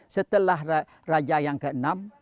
setelah raja yang ke enam